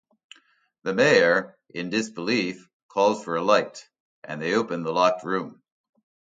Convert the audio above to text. The Mayor, in disbelief, calls for a light, and they open the locked room.